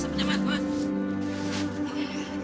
sebelum bunu pulang mbak buah